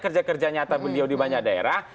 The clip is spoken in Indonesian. kerja kerja nyata beliau di banyak daerah